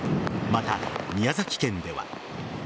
また、宮崎県では。